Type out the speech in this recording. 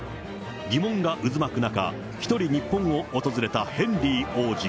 疑問が渦巻く中、一人日本を訪れたヘンリー王子。